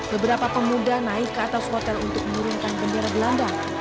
beberapa pemuda naik ke atas hotel untuk menurunkan bendera belanda